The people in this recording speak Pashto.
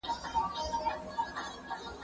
زه مخکي خبري کړي وو،